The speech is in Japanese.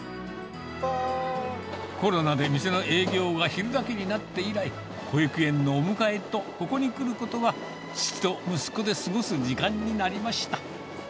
コロナで店の営業が昼だけになって以来、保育園のお迎えと、ここに来ることが、父と息子で過ごす時間になりました。